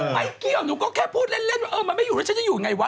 ไม่เกี่ยวหนูก็แค่พูดเล่นมันไม่อยู่แล้วต้องอยู่ยังไงค่ะ